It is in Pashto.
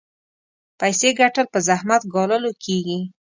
پيسې ګټل په زحمت ګاللو کېږي.